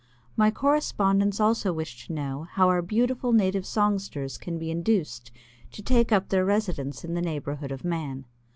My correspondents also wish to know how our beautiful native songsters can be induced to take up their residence in the neighborhood of man.